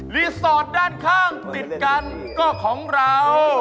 สอดด้านข้างติดกันก็ของเรา